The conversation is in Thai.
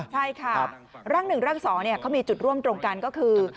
ใช่ค่ะร่าง๑ร่าง๒เขามีจุดร่วมตรงกันก็คือ